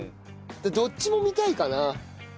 どっちも見たいかな。